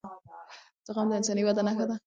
زغم د انساني ودې نښه ده